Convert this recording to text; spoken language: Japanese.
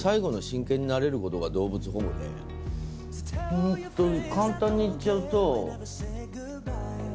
ホントに。